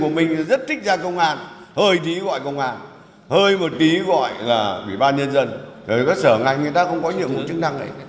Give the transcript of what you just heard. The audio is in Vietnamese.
chính quyền không thể nào mà xử lý được tranh cãi này của mình rất thích ra công an hơi tí gọi công an hơi một tí gọi là bỉ ban nhân dân để có sở ngành người ta không có nhiều mục chức năng đấy